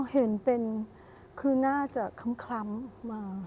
อ๋อเห็นเป็นคือน่าจะคำคร้ำมา